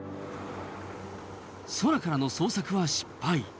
空からの捜索は失敗。